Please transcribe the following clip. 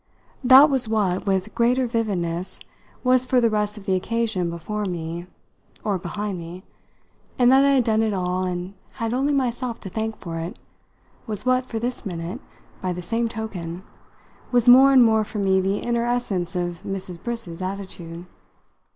That was what, with greater vividness, was for the rest of the occasion before me, or behind me; and that I had done it all and had only myself to thank for it was what, from this minute, by the same token, was more and more for me the inner essence of Mrs. Briss's attitude.